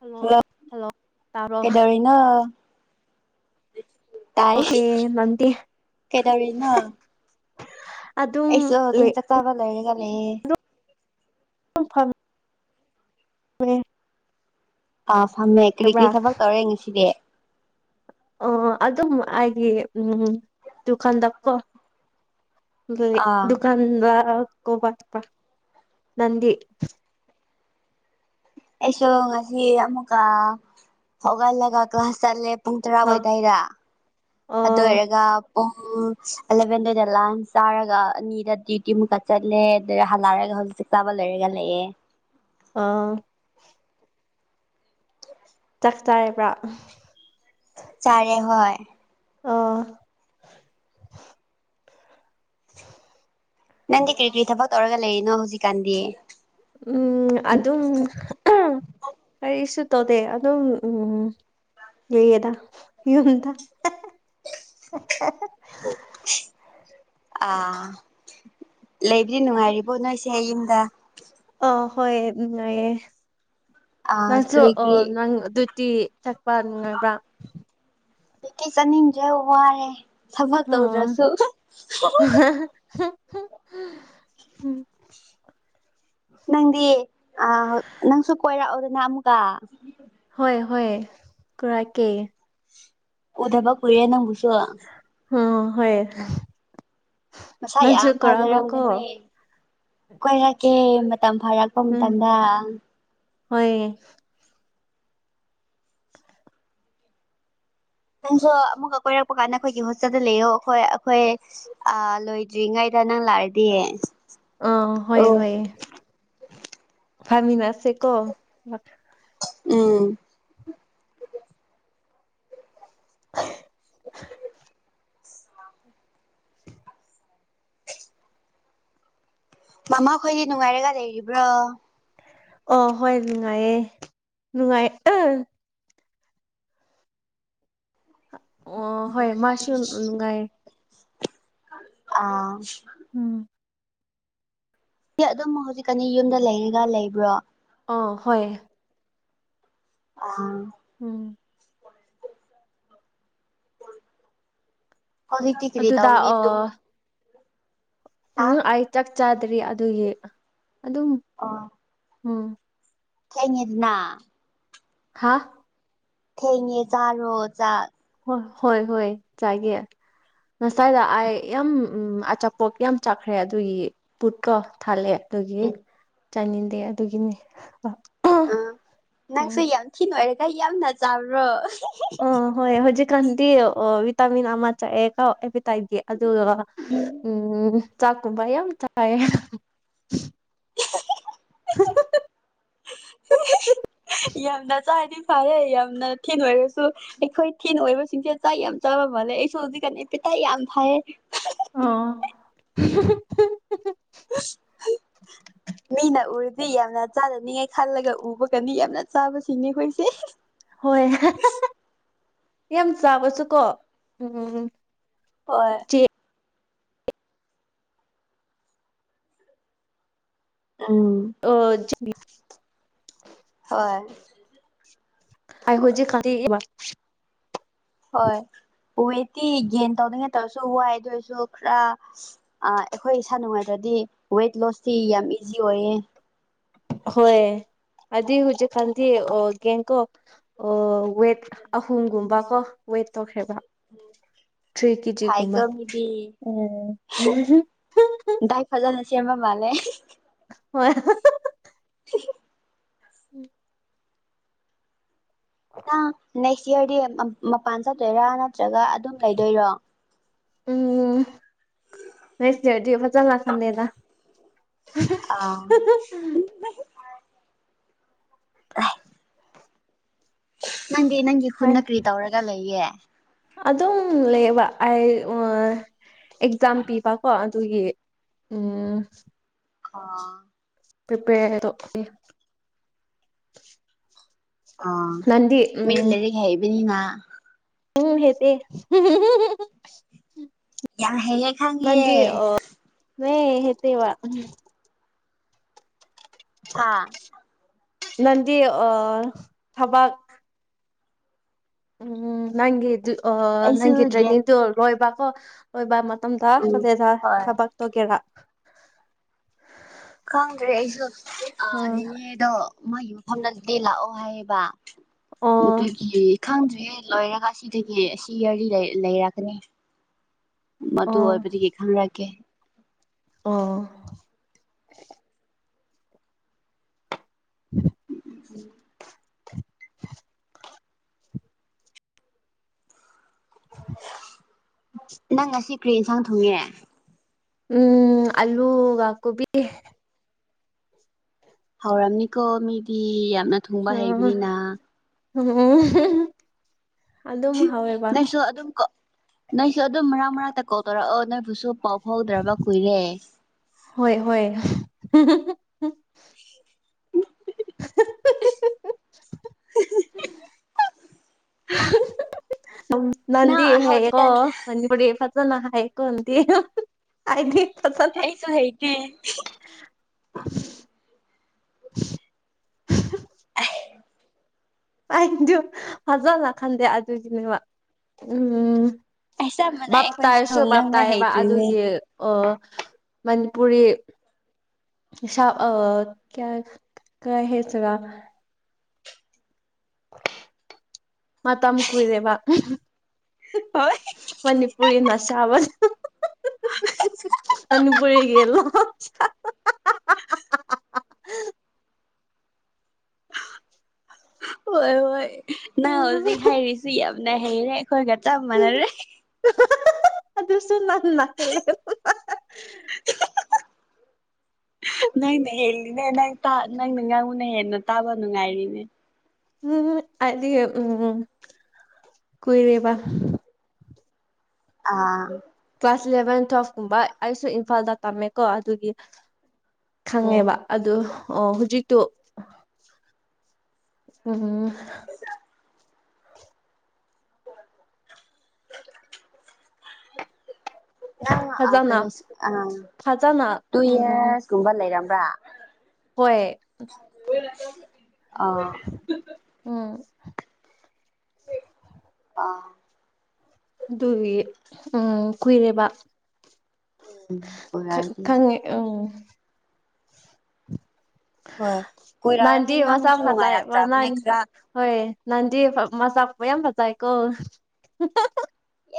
Hello hello hello ꯇꯥꯕ꯭ꯔꯣ ꯀꯩꯗꯧꯔꯤꯅꯣ ꯇꯥꯏ ꯅꯪꯗꯤ ꯀꯩꯗꯧꯔꯤꯅꯣ ꯑꯗꯨꯝ ꯑꯩꯁꯨ ꯍꯧꯖꯤꯛ ꯆꯥꯛꯆꯥꯕ ꯂꯣꯏꯔꯒ ꯂꯩꯌꯦ ꯐꯝ ꯍ ꯑꯥ ꯐꯝꯃꯦ ꯀꯔꯤ ꯀꯔꯤ ꯊꯕꯛ ꯇꯧꯔꯦ ꯉꯁꯤꯗꯤ ꯑꯣ ꯑꯗꯨꯝ ꯑꯩꯒꯤ ꯎꯝ ꯗꯨꯀꯥꯟꯗ ꯀꯣ ꯑꯥ ꯗꯨꯀꯥꯟꯗ ꯀꯣꯕ ꯆꯠꯄ ꯅꯪꯗꯤ ꯑꯩꯁꯨ ꯉꯁꯤ ꯑꯃꯨꯛꯀ ꯍꯧꯒꯠꯂꯒ ꯀ꯭ꯂꯥꯁ ꯆꯠꯂꯦ ꯄꯨꯡ ꯇꯔꯥ ꯑ ꯋꯥꯢꯗꯩꯔ ꯑꯗꯨ ꯑꯣ ꯑꯣꯏꯔꯒ ꯄꯨꯡ ꯑꯦꯂꯚꯦꯟꯗꯅ ꯂꯥꯟꯁ ꯆꯥꯔꯒ ꯑꯅꯤꯗ ꯗꯌꯨꯇꯤ ꯃꯨꯛꯀ ꯆꯠꯂꯦ ꯑꯗꯨ ꯍꯜꯂꯛꯔꯒ ꯍꯧꯖꯤꯛ ꯆꯥꯛ ꯆꯥꯕ ꯂꯣꯏꯔꯒ ꯂꯩꯑꯦ ꯑꯥ ꯆꯥꯛ ꯆꯔꯤꯕ꯭ꯔꯥ ꯆꯔꯦ ꯍꯣꯏ ꯑꯥ [unintelligible] ꯅꯪꯗꯤ ꯀꯔꯤ ꯀꯔꯤ ꯊꯕꯛ ꯇꯧꯔꯒ ꯂꯩꯔꯤꯅꯣ ꯍꯧꯖꯤꯛꯀꯥꯟꯗꯤ ꯎꯝ ꯑꯗꯨꯝ ꯀꯔꯤꯁꯨ ꯇꯧꯗꯦ ꯑꯗꯨꯝ ꯎꯝ ꯂꯨꯏꯌꯦꯗ ꯌꯨꯝꯗ ꯑꯥ ꯂꯩꯕꯗꯤ ꯅꯨꯡꯉꯥꯏꯔꯤꯕꯣ ꯅꯣꯏꯁꯦ ꯌꯨꯝꯗ ꯑ ꯍꯣꯏ ꯅꯨꯡꯉꯥꯏꯌꯦ ꯑꯥ ꯅꯪꯁꯨ ꯀꯔꯤ ꯑ ꯀꯔꯤ ꯅꯪ ꯑꯗꯨ ꯇꯤ ꯆꯠꯄ ꯅꯨꯡꯉꯥꯏꯕ꯭ꯔꯥ ꯆꯠꯅꯤꯡꯗ꯭ꯔꯦ ꯋꯥꯔꯦ ꯊꯕꯛ ꯇꯧꯗ꯭ꯔꯁꯨ ꯍ ꯅꯪꯗꯤ ꯑ ꯅꯪꯁꯨ ꯀꯣꯏꯔꯛꯎꯗꯅ ꯑꯃꯨꯛꯀ ꯍꯣꯏ ꯍꯣꯏ ꯀꯣꯏꯔꯛꯀꯦ ꯎꯗꯕ ꯀꯨꯏꯔꯦ ꯅꯪꯕꯨꯁꯨ ꯑ ꯍꯣꯏ ꯃꯁꯥ ꯅꯪꯁꯨ ꯌꯥꯝ ꯐꯖꯔꯝꯂꯦ ꯀꯧꯔꯛꯑꯒꯀꯣ ꯃꯦ ꯀꯣꯏꯔꯛꯀꯦ ꯃꯇꯝ ꯐꯔꯛꯄ ꯎꯝ ꯃꯇꯝꯗ ꯍꯣꯏ ꯅꯪꯁꯨ ꯑꯃꯨꯛꯀ ꯀꯣꯏꯔꯛꯄ ꯀꯥꯟꯗ ꯑꯩꯈꯣꯏꯒꯤ ꯍꯣꯁꯇꯦꯜꯗ ꯂꯩꯌꯣ ꯑꯈꯣꯏ ꯑꯈꯣꯏ ꯑꯥ ꯂꯣꯏꯗ꯭ꯔꯤꯉꯩꯗ ꯅꯪ ꯂꯥꯛꯑꯗꯤ ꯑ ꯍꯣꯏ ꯍꯣꯏ ꯐꯝꯃꯤꯟꯅꯁꯦ ꯀꯣ ꯎꯝ ꯃꯃꯥꯈꯣꯏꯗꯤ ꯅꯨꯡꯉꯥꯏꯔꯒ ꯂꯩꯔꯤꯕ꯭ꯔꯣ ꯑꯣ ꯍꯣꯏ ꯅꯨꯡꯉꯥꯏꯌꯦ ꯅꯨꯡꯉꯥꯏ ꯑ ꯑꯣ ꯍꯣꯏ ꯃꯥꯁꯨ ꯅꯨꯡꯉꯥꯏ ꯑꯥ ꯎꯝ ꯁꯤ ꯑꯗꯨꯝ ꯍꯧꯖꯤꯛꯀꯅꯤ ꯌꯨꯝꯗ ꯂꯩꯔꯒ ꯂꯩꯕ꯭ꯔꯣ ꯑ ꯍꯣꯏ ꯑ ꯎꯝ ꯍꯧꯖꯤꯛꯇꯤ ꯀꯔꯤ ꯑꯗꯨꯗ ꯇꯧꯒꯅꯤ ꯑꯣ ꯇꯨ ꯎꯝ ꯑꯩ ꯆꯥꯛ ꯆꯥꯗ꯭ꯔꯤ ꯑꯗꯨꯒꯤ ꯑꯗꯨꯝ ꯑ ꯎꯝ ꯊꯦꯡꯉꯦꯗꯅꯥ ꯍꯥꯥ ꯊꯦꯡꯉꯦ ꯆꯥꯔꯣ ꯆꯥꯛ ꯍꯣꯏ ꯍꯣꯏ ꯍꯣꯏ ꯆꯥꯏꯒꯦ ꯉꯁꯥꯏꯗ ꯑꯥꯏ ꯌꯥꯝ ꯎꯝ ꯑꯆꯥꯄꯣꯛ ꯌꯥꯝ ꯆꯥꯛꯈ꯭ꯔꯦ ꯑꯗꯨꯒꯤ ꯄꯨꯠꯀꯣ ꯊꯜꯂꯦ ꯑꯗꯨꯒꯤ ꯎꯝ ꯆꯥꯅꯤꯡꯗꯦ ꯑꯗꯨꯒꯤꯅꯦ ꯑ ꯑ ꯅꯪꯁꯨ ꯌꯥꯝ ꯊꯤ ꯅꯣꯏꯔꯒ ꯌꯥꯝꯅ ꯆꯥꯕ꯭ꯔꯣ ꯑ ꯍꯣꯏ ꯍꯧꯖꯤꯛꯀꯥꯟꯗꯤ ꯑ ꯚꯤꯇꯥꯃꯤꯟ ꯑꯃ ꯆꯥꯑꯦꯀꯣ ꯑꯦꯄꯇꯥꯏꯒꯤ ꯑꯗꯨꯒ ꯎꯝ ꯎꯝ ꯆꯥꯛꯀꯨꯝꯕ ꯌꯥꯝ ꯆꯥꯏꯌꯦ [unintelligible] ꯌꯥꯝꯅ ꯆꯥꯔꯗꯤ ꯐꯔꯦ ꯌꯥꯝꯅ ꯊꯤ ꯅꯣꯏꯔꯁꯨ ꯑꯩꯈꯣꯏ ꯊꯤꯅꯣꯏꯕꯁꯤꯡꯁꯦ ꯆꯥꯛ ꯌꯥꯝ ꯆꯥꯕ ꯃꯥꯜꯂꯦ ꯑꯩꯁꯨ ꯍꯧꯖꯤꯛꯀꯥꯟ ꯑꯦꯄꯦꯇꯥꯏꯠ ꯌꯥꯝ ꯐꯥꯏꯌꯦ ꯑꯣ [unintelligible] ꯃꯤꯅ ꯎꯔꯨꯗꯤ ꯌꯥꯝꯅ ꯆꯥꯅꯅꯤꯡꯉꯥꯏ ꯈꯜꯂꯒ ꯎꯕꯒꯅꯤ ꯌꯥꯝꯅ ꯆꯥꯕꯁꯤꯡꯅꯤ ꯑꯈꯣꯏꯁꯦ ꯍꯣꯏ ꯌꯥꯝ ꯆꯥꯕꯁꯨꯀꯣ ꯎꯝ ꯍꯣꯏ ꯆꯦ ꯎꯝ ꯑꯣ ꯆꯤꯡꯒꯤ ꯍꯣꯏ ꯑꯩ ꯍꯨꯖꯤꯀꯥꯟꯗꯤ ꯏꯕ ꯍꯣꯏ ꯋꯦꯠꯇꯤ ꯒꯦꯟ ꯇꯧꯅꯤꯉꯥꯏ ꯇꯧꯔꯁꯨ ꯋꯥꯏꯗꯨ ꯑꯣꯏꯁꯨ ꯈꯔ ꯑ ꯑꯩꯈꯣꯏ ꯏꯁꯥ ꯅꯨꯡꯉꯥꯏꯇꯔꯗꯤ ꯋꯦꯠ ꯂꯣꯁꯇꯤ ꯌꯥꯝ ꯏꯖꯤ ꯑꯣꯏꯌꯦ ꯑꯍꯣꯏ ꯍꯥꯏꯗꯤ ꯍꯨꯖꯤꯛꯀꯥꯟꯗꯤ ꯑꯣꯒꯦꯡꯀꯣ ꯑꯣ ꯋꯦꯠ ꯑꯍꯨꯝꯒꯨꯝꯕ ꯀꯣ ꯋꯦꯠ ꯇꯧꯈ꯭ꯔꯦꯕ ꯊ꯭ꯔꯤ ꯀꯦꯖꯤꯒꯨꯝꯕ ꯐꯥꯏꯀꯣ ꯃꯤꯗꯤ ꯎꯝ ꯗꯥꯏꯠ ꯐꯖꯅ ꯁꯦꯝꯕ ꯃꯥꯜꯂꯦ ꯍꯣꯏ [unintelligible] ꯎꯝ ꯆꯤꯌꯔꯗꯤ ꯃꯞ ꯃꯄꯥꯟ ꯆꯠꯇꯣꯏꯔꯥ ꯅꯠꯇ꯭ꯔꯒ ꯑꯗꯨꯝ ꯂꯩꯗꯣꯏꯔꯣ ꯎꯝ ꯅꯦꯁꯤꯔꯗꯤ ꯐꯖꯟꯅ ꯁꯟꯗꯦꯗ ꯑꯥ ꯅꯪꯗꯤ ꯅꯪꯒꯤ ꯍꯣꯏ ꯈꯨꯟꯗ ꯀꯔꯤ ꯇꯧꯔꯒ ꯂꯩꯌꯦ ꯑꯗꯨꯝ ꯂꯩꯕ ꯑꯩ ꯎꯝ ꯑꯦꯛꯖꯥꯝ ꯄꯤꯕꯀꯣ ꯑꯗꯨꯒꯤ ꯎꯝ ꯑ ꯄ꯭ꯔꯤꯄꯦꯌꯔ ꯇꯧꯕꯅꯦ ꯑ ꯃꯤ ꯂꯩꯔꯤꯛ ꯍꯩꯕꯅꯤꯅ ꯎꯪ ꯍꯦꯇꯦ ꯌꯥꯝ ꯍꯩꯌꯦ ꯈꯪꯉꯦ ꯅꯪꯗꯤ ꯑ [unintelligible] ꯍꯦꯇꯦꯕ ꯎꯝ ꯍꯥ ꯅꯟꯗꯤ ꯑ ꯊꯕꯛ ꯎꯝ ꯅꯪꯒꯤꯗꯨ ꯑ ꯑꯩꯁꯨ ꯅꯪꯒꯤ ꯒ꯭ꯌꯥꯟ ꯇ꯭ꯔꯦꯅꯤꯡꯗꯣ ꯂꯣꯏꯕꯀꯣ ꯂꯣꯏꯕ ꯃꯇꯝꯗ ꯎꯝ ꯀꯂꯦꯖ ꯍꯣꯏ ꯊꯕꯛ ꯇꯧꯒꯦꯔꯥ ꯈꯪꯗ꯭ꯔꯦ ꯑꯩꯁꯨ ꯑ ꯎꯝ ꯅꯤꯅꯦꯗꯣ ꯃꯥꯒꯤ ꯃꯐꯝꯗꯗꯤ ꯂꯥꯛꯑꯣ ꯍꯥꯏꯌꯦꯕ ꯑꯣ ꯑꯗꯒꯤ ꯈꯪꯗ꯭꯭ꯔꯦ ꯂꯣꯏꯔꯒ ꯑꯁꯤꯗꯒꯤ ꯑꯁꯤ ꯌꯔꯂꯤ ꯂꯩ ꯂꯩꯔꯛꯒꯅꯤ ꯃꯗꯨ ꯑꯣ ꯑꯣꯏꯕꯗꯒꯤ ꯈꯪꯔꯥꯒꯦ ꯑꯣ ꯎꯝ [inaudible] [inaudible] ꯅꯪ ꯉꯁꯤ ꯀꯔꯤ ꯌꯦꯟꯁꯥꯡ ꯊꯨꯡꯉꯦ ꯎꯝ ꯑꯜꯂꯨꯒ ꯀꯣꯕꯤ ꯍꯧꯔꯝꯅꯤꯀꯣ ꯃꯤꯗꯤ ꯌꯥꯝꯅ ꯊꯨꯡꯕ ꯍꯩꯕꯅꯤꯅ [unintelligible] ꯑꯗꯨꯝ ꯍꯥꯎꯋꯦꯕ ꯅꯁꯨ ꯑꯗꯨꯝ ꯀ ꯅꯪꯁꯨ ꯑꯗꯨꯝ ꯃꯔꯥꯛ ꯃꯔꯥꯡꯇ ꯀꯣꯜ ꯇꯧꯔꯛꯑꯣ ꯅꯣꯏꯕꯨꯁꯨ ꯄꯥꯎ ꯐꯥꯎꯗ꯭ꯔꯕ ꯀꯨꯏꯔꯦ ꯍꯣꯏ ꯍꯣꯏ [inaudible] [inaudible] [inaudible] ꯅꯟꯗꯤ ꯅꯪ ꯍꯩꯌꯦꯀꯣ ꯍꯧꯖꯤꯛꯀꯥꯟ [unintelligible] ꯄꯔꯦ ꯐꯖꯅꯥ ꯍꯩꯀꯣ ꯅꯥꯗꯤ [unintelligible] ꯍꯥꯏꯗꯤ ꯐꯖ ꯑꯩꯁꯨ ꯍꯩꯇꯦ ꯑꯩꯗꯣ ꯐꯖꯅ ꯈꯟꯗꯦ ꯑꯗꯨꯒꯤꯅꯦꯕ ꯎꯝ ꯑꯩ ꯆꯞ ꯃꯥꯟꯅꯩ ꯕꯥꯞ ꯑꯩꯈꯣꯏꯁꯨ ꯇꯥꯏꯁꯨ ꯕꯥꯞ ꯉꯥꯡꯕ ꯇꯥꯏꯑꯦꯕ ꯍꯩꯇ꯭ꯔꯤꯅꯦ ꯑꯗꯨꯒꯤ ꯑꯣ ꯃꯅꯤꯄꯨꯔꯤ ꯍꯤꯁꯕ ꯑꯥ ꯀ꯭ꯌꯥ ꯀ꯭ꯔꯤ ꯍꯥꯏꯁꯤꯔꯥ ꯃꯇꯝ ꯀꯨꯏꯔꯦꯕ ꯍꯣꯏ ꯃꯅꯤꯄꯨꯔꯤꯅ ꯁꯥꯕꯅꯦ ꯃꯅꯤꯄꯨꯔꯤꯒꯤ ꯂꯣꯟ ꯁꯥꯕ ꯍꯣꯏ ꯍꯣꯏ ꯅꯪ ꯍꯧꯖꯤꯛ ꯍꯥꯏꯔꯤꯁꯤ ꯌꯥꯝꯅ ꯍꯩꯔꯦ ꯑꯩꯈꯣꯏꯒ ꯆꯞ ꯃꯥꯟꯅꯔꯦ ꯑꯗꯨꯁꯨ ꯅꯪꯅ ꯍꯦꯜꯂꯦ [inaudible] ꯅꯪꯅ ꯍꯦꯜꯂꯤꯅꯦ ꯅꯪ ꯇ ꯅꯪꯅ ꯉꯥꯡꯕꯅ ꯍꯦꯟꯅ ꯇꯥꯕ ꯅꯨꯡꯉꯥꯏꯔꯤꯅꯦ ꯎꯝ ꯑꯥꯗꯤ ꯎꯝ ꯀꯨꯏꯔꯦꯕ ꯑꯥ ꯀ꯭ꯂꯥꯁ ꯏꯂꯚꯦꯟ ꯇꯨꯋꯦꯜꯐ ꯀꯨꯝꯕ ꯑꯩꯁꯨ ꯏꯝꯐꯥꯜꯗ ꯇꯝꯃꯦꯀꯣ ꯑꯗꯨꯒꯤ ꯎꯝ ꯈꯪꯉꯦꯕ ꯑꯗꯨ ꯑꯣ ꯍꯧꯖꯤꯛꯇꯣ ꯎꯪ ꯅꯪ ꯑ ꯐꯖꯅ ꯀꯔꯤ ꯑ ꯐꯖꯅ ꯇꯨ ꯎꯝ ꯏꯌ꯭ꯔꯁꯀꯨꯝꯕ ꯂꯩꯔꯝꯕ꯭ꯔꯥ ꯍꯣꯏ ꯑ ꯎꯝ ꯑꯥ ꯑꯗꯨꯒꯤ ꯎꯝ ꯀꯨꯏꯔꯦꯕ ꯎꯝ ꯈꯪ ꯄꯨꯔꯥꯗꯤ ꯈꯪꯉꯦ ꯎꯝ ꯍꯣꯏ ꯀꯣꯏꯔꯛꯑꯗꯤ ꯅꯪꯗꯤ ꯃꯁꯛ ꯉꯥꯡꯕꯁꯨ ꯐꯖꯩ ꯅꯨꯡꯉꯥꯏꯔꯛꯇ꯭ꯔꯕꯅꯦ ꯈꯔ ꯍꯣꯏ ꯅꯪꯗꯤ ꯃꯁꯛ ꯃꯌꯥꯝ ꯐꯖꯥꯏꯀꯣ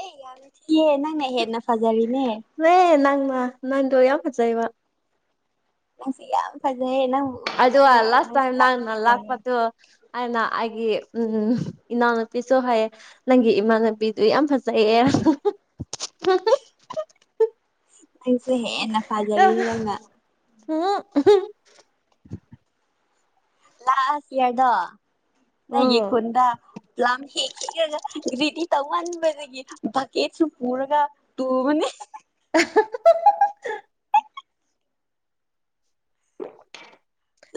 ꯑꯦ ꯌꯥꯝ ꯊꯤꯌꯦ ꯅꯪꯅ ꯍꯦꯟꯅ ꯐꯖꯔꯤꯅꯦ ꯅ ꯅꯪꯅ ꯅꯪꯗꯣ ꯌꯥꯝ ꯐꯖꯩꯕ ꯅꯪꯗꯤ ꯌꯥꯝ ꯐꯖꯩꯌꯦ ꯑꯗꯨ ꯎꯅꯤꯡꯈ꯭ꯔꯦ ꯂꯥꯁ ꯅꯪꯁꯨ ꯇꯏꯝ ꯅꯪꯅ ꯂꯥꯛꯅꯤꯡꯉꯦ ꯇꯧꯔ ꯂꯄꯇꯗꯣ ꯑꯩꯅ ꯑꯩꯒꯤ ꯏꯅꯥꯎꯅꯨꯄꯤꯁꯨ ꯍꯩꯌꯦ ꯅꯪꯒꯤ ꯏꯃꯥꯟꯅꯨꯕꯤꯗꯨ ꯌꯥꯝ ꯐꯖꯩꯌꯦ ꯅꯪꯁꯨ ꯍꯦꯟꯅ ꯐꯖꯔꯤꯅꯦ ꯅꯪꯅ ꯎꯝ ꯂꯥꯁ ꯌꯤꯔꯗꯣ ꯅꯪꯒꯤ ꯎꯝ ꯈꯨꯣꯟꯗ ꯂꯥꯛꯀꯦꯈꯟꯈꯤꯒ ꯔꯦꯗꯤ ꯇꯧꯃꯟꯥꯟꯕꯗꯒꯤ ꯚꯀꯦꯠꯁꯨ ꯄꯨꯔꯒ ꯇꯨꯕꯅꯦ ꯍ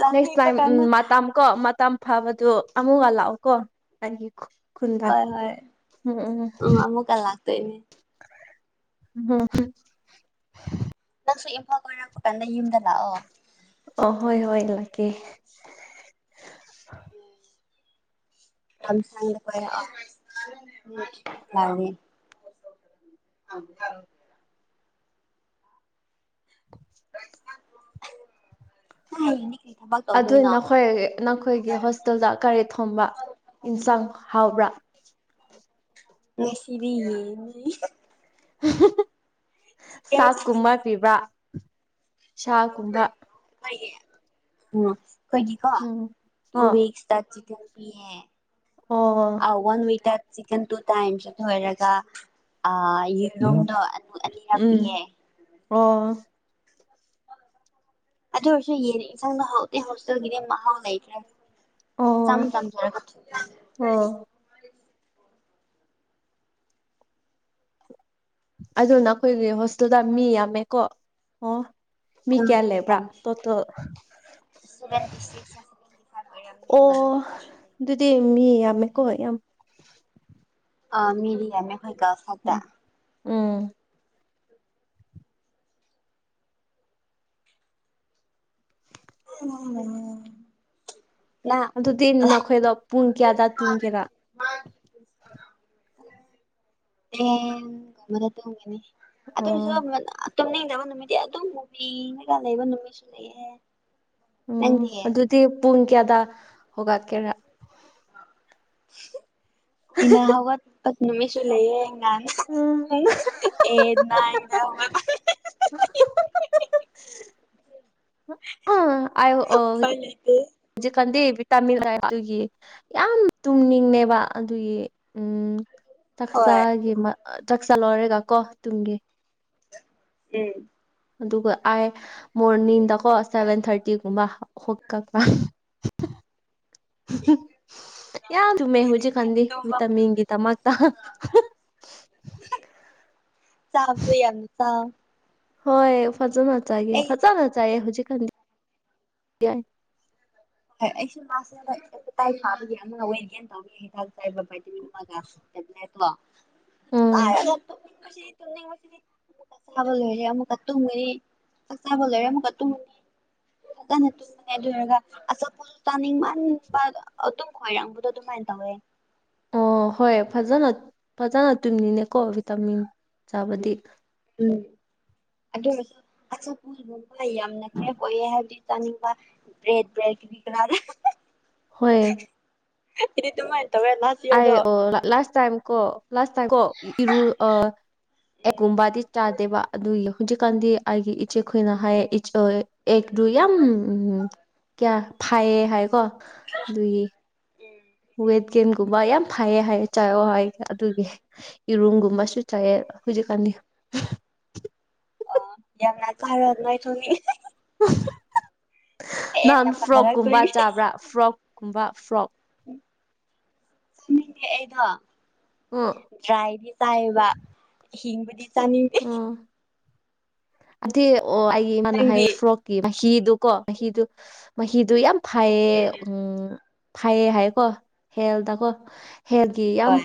ꯂꯝ ꯅꯦꯛꯁ ꯍꯦꯛꯄ ꯇꯥꯏꯝ ꯎꯝ ꯀꯥꯟꯗ ꯃꯇꯝ ꯀꯣ ꯃꯇꯝ ꯐꯥꯕꯗꯣ ꯑꯃꯨꯛꯀ ꯂꯥꯛꯑꯣ ꯀꯣ ꯍꯥꯏꯒꯦꯀꯣ ꯈꯨꯨꯟꯗꯥ ꯍꯣꯏ ꯍꯣꯏ ꯎꯝ ꯎꯝ ꯑꯃꯨꯛꯀ ꯂꯥꯛꯇꯣꯏꯅꯦ ꯍꯝ ꯍꯝ ꯅꯪꯁꯨ ꯏꯝꯐꯥꯜ ꯀꯣꯔꯛꯄ ꯀꯥꯟꯗ ꯌꯨꯝꯗ ꯂꯥꯛꯑꯣ ꯑ ꯍꯣꯏ ꯍꯣꯏ ꯂꯥꯛꯀꯦ [unintelligible] ꯀꯣꯏꯔꯛꯑꯣ ꯌꯥꯅꯤ ꯍ ꯀ ꯑꯗꯨ ꯅꯈꯣꯏ ꯅꯈꯣꯏꯒꯤ ꯍꯣꯁꯇꯦꯜꯗ ꯀꯔꯤ ꯊꯣꯡꯕ ꯏꯟꯁꯥꯡ ꯍꯥꯎꯕ꯭ꯔꯥ [unintelligible] ꯌꯦꯡꯉꯤ ꯆꯤꯀꯟ ꯆꯥꯛ ꯀꯨꯝꯕ ꯄꯤꯕ ꯁꯥ ꯀꯨꯝꯕ ꯑꯣꯏ ꯎꯝ ꯑꯩꯈꯣꯏꯗꯤꯀꯣ ꯎꯝ ꯇꯨ ꯑꯣ ꯋꯤꯛꯁꯇ ꯆꯤꯀꯟ ꯄꯤꯌꯦ ꯑꯣ ꯑ ꯋꯥꯟ ꯋꯤꯛꯇ ꯆꯤꯛꯀꯟ ꯇꯨ ꯇꯥꯏꯝꯁ ꯑꯗꯨ ꯑꯣꯏꯔꯒ ꯑ ꯌꯦꯔꯨꯝꯗꯣ ꯑꯨ ꯑꯅꯤꯔꯛ ꯎꯝ ꯄꯤꯌꯦ ꯑꯣ ꯑꯗꯨ ꯑꯣꯏꯔꯁꯨ ꯌꯦꯡꯔꯁꯨ ꯌꯦꯟ ꯏꯟꯁꯥꯡꯗ ꯍꯥꯎꯗꯤ ꯍꯥꯎꯗꯦ ꯃꯍꯥꯎ ꯂꯩꯇ꯭ꯔꯦ ꯑꯣ ꯆꯝ ꯆꯝꯊꯔꯒ ꯑꯣ ꯑꯗꯣ ꯅꯈꯣꯏꯒꯤ ꯍꯣꯁꯇꯦꯜꯗ ꯃꯤ ꯌꯥꯝꯃꯦꯀꯣ ꯑꯣ ꯃꯤ ꯀꯌꯥ ꯂꯩꯕ꯭ꯔꯥ ꯇꯣꯇꯦꯜ ꯁꯚꯦꯟꯇꯤ ꯁꯤꯛꯁ [inaudible] ꯗꯨꯗꯤ ꯃꯤ ꯌꯥꯝꯃꯦꯀꯣ ꯌꯥꯝ ꯑ ꯃꯤꯗꯤ ꯌꯥꯝꯃꯦ ꯈꯣꯏ ꯒꯥꯜꯁ ꯈꯛꯇ ꯎꯝ ꯎꯝ [unintelligible] ꯅꯪ ꯑꯗꯨꯗꯤ ꯅꯈꯣꯏꯗꯣ ꯄꯨꯡ ꯀꯌꯥꯗ ꯇꯨꯝꯒꯦꯔꯥ꯫ [unintelligible] ꯑꯗꯨꯁꯨ ꯑꯣ ꯇꯨꯝꯅꯤꯡꯗꯕ ꯅꯨꯃꯤꯠꯇꯤ ꯑꯗꯨꯝ ꯃꯨꯕꯤ ꯌꯦꯡꯉꯒ ꯂꯩꯕ ꯅꯨꯃꯤꯠꯁꯨ ꯂꯩꯌꯦ꯫ ꯎꯝ ꯅꯪꯗꯤ ꯑꯗꯨꯗꯤ ꯄꯨꯡ ꯀꯌꯥꯗ ꯍꯧꯒꯠꯀꯦꯔꯥ꯫ ꯀꯨꯏꯅ ꯍꯧꯒꯠꯄ ꯅꯨꯃꯤꯁꯨ ꯂꯩꯌꯦ ꯎꯝ [unintelligible] [unintelligible] [unintelligible] [unintelligible] [unintelligible] ꯖꯤꯛꯀꯥꯟꯗꯤ ꯕꯤꯇꯥꯃꯤꯟ ꯍꯥꯏꯗꯨꯒꯤ ꯌꯥꯝ ꯇꯨꯝꯅꯤꯡꯅꯦꯕ ꯑꯗꯨꯒꯤ ꯎꯝ꯫ ꯍꯣꯏ ꯆꯥꯛꯆꯥꯒꯤ ꯆꯥꯛꯆꯥ ꯂꯧꯔꯒꯀꯣ ꯇꯨꯡꯒꯤ꯫ ꯎꯝ ꯑꯗꯨꯒ ꯑꯥꯏ ꯃꯣꯔꯅꯤꯡꯗꯀꯣ ꯁꯚꯦꯟ ꯊꯥꯔꯇꯤꯒꯨꯝꯕ ꯍꯧꯒꯠꯄ꯫ ꯌꯥꯝ ꯇꯨꯝꯃꯦ ꯍꯧꯖꯤꯛ ꯀꯥꯟꯗꯤ ꯇꯨꯝꯕ ꯚꯤꯇꯥꯃꯤꯟꯒꯤ ꯗꯃꯛꯇ꯫ ꯆꯥꯕꯁꯨ ꯌꯥꯝꯅ ꯆꯥꯎ꯫ ꯍꯣꯏ ꯐꯖꯅ ꯆꯥꯒꯦ ꯑꯩ ꯐꯖꯅ ꯆꯥꯏꯌꯦ ꯍꯧꯖꯤꯛꯀꯥꯟꯗꯤ ꯌꯥꯏ꯫ ꯍꯣꯏ ꯑꯩꯁꯨ ꯃꯥꯁꯦ [unintelligible] ꯐꯥꯕꯒꯤ ꯑꯃ ꯋꯦꯠꯒꯦꯟ ꯇꯧꯕꯒꯦ꯫ ꯎꯝ [unintelligible] [unintelligible] ꯇꯨꯝꯅꯤꯡꯕꯁꯤ ꯆꯥꯕ ꯂꯣꯏꯔꯦ ꯑꯃꯨꯛꯀ ꯇꯨꯝꯒꯤꯅꯤ ꯆꯥꯛ ꯆꯥꯕ ꯂꯣꯏꯔꯦ ꯑꯃꯨꯛꯀ꯫ [unintelligible] ꯀꯟꯅ ꯇꯨꯝꯕꯅꯦ ꯑꯗꯨꯏꯔꯒ꯫ ꯑꯆꯥꯄꯣꯠꯁꯨ ꯆꯥꯅꯤꯡꯃꯟꯕ ꯑꯗꯨꯝ ꯈꯣꯏꯔꯥꯡꯕꯗꯣ ꯑꯗꯨꯃꯥꯏꯅ ꯇꯧꯋꯦ꯫ ꯑꯣ ꯍꯣꯏ ꯐꯖꯅ ꯐꯖꯅ ꯇꯨꯝꯅꯤꯅꯦꯀꯣ ꯚꯤꯇꯥꯃꯤꯟ ꯆꯥꯕꯗꯤ꯫ ꯎꯝ ꯑꯗꯨ ꯑꯣꯏꯔꯁꯨ ꯑꯆꯥꯄꯣꯠ ꯀꯨꯝꯕ ꯌꯥꯝꯅ ꯀ꯭ꯔꯦꯞ ꯑꯣꯏꯌꯦ ꯍꯥꯏꯕꯗꯤ ꯆꯥꯅꯤꯡꯕ ꯕ꯭ꯔꯦꯠꯂ ꯀ꯭ꯔꯤ ꯀꯔꯥꯔ꯫ ꯍꯣꯏ ꯑꯩꯗꯤ ꯗꯨꯃꯥꯏ ꯇꯧꯌꯦ꯫ ꯑꯩ ꯑꯣ ꯂꯥꯁ ꯇꯥꯏꯝ ꯀꯣ ꯂꯥꯁ ꯇꯥꯏꯝ ꯀꯣ ꯏꯔꯨ ꯑꯦꯛ ꯀꯨꯝꯕꯗꯤ ꯆꯥꯗꯦꯕ ꯑꯗꯨꯒꯤ ꯍꯧꯖꯤꯛꯀꯥꯟꯗꯤ ꯑꯩꯒꯤ ꯏꯆꯦ ꯈꯣꯏꯅ ꯍꯥꯏ ꯑꯦꯛꯇꯨ ꯌꯥꯝ ꯀꯌꯥ ꯐꯥꯏꯌꯦ ꯍꯥꯏꯀꯣ ꯑꯗꯨꯒꯤ꯫ ꯎꯝ ꯋꯦꯠ ꯒꯦꯟꯒꯨꯝꯕ ꯌꯥꯝ ꯐꯩꯌꯦ ꯍꯥꯏ ꯆꯥꯋꯣ ꯍꯥꯏ ꯑꯗꯨꯒꯤ꯫ ꯏꯔꯨꯝꯒꯨꯝꯕꯁꯨ ꯆꯥꯏꯌꯦ ꯍꯧꯖꯤꯛꯀꯥꯟꯗꯤ꯫ ꯌꯥꯝꯅꯥ ꯆꯥꯔ꯫ [unintelligible] ꯅꯪ ꯍꯦꯟꯅ ꯐ꯭ꯔꯣꯛꯀꯨꯝꯕ ꯐꯖꯔꯛꯇꯣꯏꯅꯤ ꯆꯥꯕ꯭ꯔꯥ ꯐ꯭ꯔꯣꯛꯀꯨꯝꯕ ꯐ꯭ꯔꯣꯛ꯫ [unintelligible] [unintelligible] ꯗ꯭ꯔꯥꯏꯗꯤ ꯆꯥꯏꯌꯦꯕ ꯍꯤꯡꯕꯗꯤ ꯆꯥꯅꯤꯡ꯫ ꯑꯣ ꯑꯗꯨꯗꯤ ꯑꯣ ꯑꯩꯒꯤ ꯏꯃꯥꯅ ꯅꯪꯗꯤ ꯍꯥꯏꯌꯦ ꯐ꯭ꯔꯣꯛ ꯃꯍꯤꯗꯨꯀꯣ ꯃꯍꯤꯗꯨ ꯃꯍꯤꯗꯨ ꯌꯥꯝ ꯐꯩꯌꯦ ꯎꯝ꯫ ꯐꯩꯌꯦ ꯍꯥꯏꯀꯣ ꯍꯦꯜꯗꯀꯣ ꯍꯦꯜꯒꯤ ꯌꯥꯝ꯫ ꯍꯣꯏ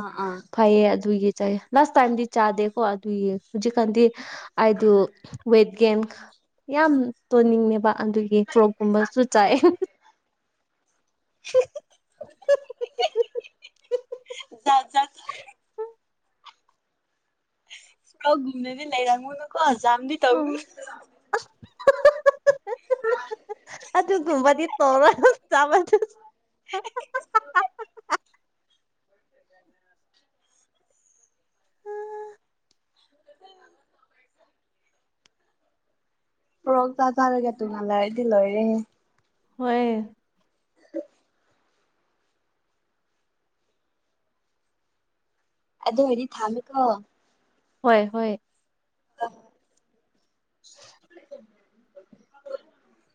ꯑꯥ ꯑꯥ ꯐꯩꯌꯦ ꯑꯗꯨꯒꯤ ꯆꯥꯏꯌꯦ ꯂꯥꯁ ꯇꯥꯏꯝꯗꯤ ꯆꯥꯗꯦꯀꯣ ꯑꯗꯨꯏ ꯍꯧꯖꯤꯛꯀꯥꯟꯗꯤ ꯑꯩꯗꯨ ꯋꯦꯠꯒꯦꯟ ꯌꯥꯝ ꯇꯣꯟꯅꯤꯡꯉꯦꯕ ꯑꯗꯨꯒꯤ ꯐ꯭ꯔꯣꯛꯀꯨꯝꯕꯁꯨ ꯆꯥꯏꯌꯦ [unintelligible] [unintelligible] ꯖꯥꯠ ꯖꯥꯠ ꯍꯧꯒꯨꯝꯅꯗꯤ ꯂꯩꯔꯝꯃꯣꯢꯕꯀꯣ ꯖꯥꯝꯗꯤ ꯇꯧꯒꯅꯨ [unintelligible] [unintelligible] ꯑꯗꯨꯒꯨꯝꯕꯗꯤ ꯇꯣꯔꯣꯢ [unintelligible] ꯄ꯭ꯔꯣꯛ ꯆꯥ ꯆꯥꯔꯒ ꯇꯨꯡ ꯍꯟꯗꯔꯗꯤ ꯂꯣꯏꯔꯦ ꯍꯣꯏ ꯑꯗꯨ ꯑꯣꯏꯗꯤ ꯊꯥꯝꯃꯦꯀꯣ ꯍꯣꯏ ꯍꯣꯏ [unintelligible]